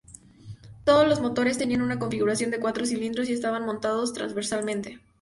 Todos los motores tenían una configuración de cuatro cilindros y estaban montados transversalmente.